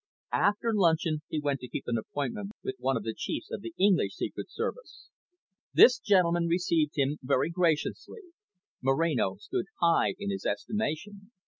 After luncheon, he went to keep an appointment with one of the chiefs of the English Secret Service. This gentleman received him very graciously. Moreno stood high in his estimation.